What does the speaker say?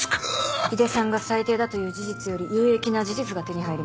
井出さんが最低だという事実より有益な事実が手に入りました。